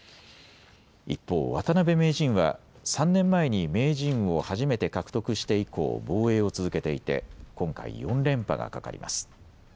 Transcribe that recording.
一方、渡辺名人は３年前に名人を初めて獲得して以降、防衛を続けていて今回４連覇がかかります。